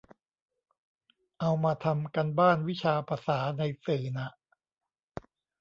เอามาทำการบ้านวิชาภาษาในสื่อน่ะ